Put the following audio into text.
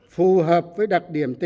phù hợp với đặc điểm tổ chức